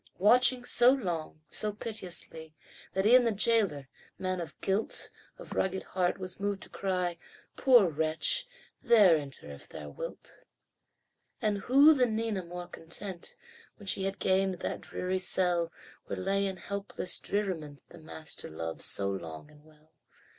Watching so long, so piteously, That e'en the jailor man of guilt, Of rugged heart was moved to cry, "Poor wretch, there enter if thou wilt." And who than Nina more content When she had gained that dreary cell Where lay in helpless dreariment The master loved so long and well?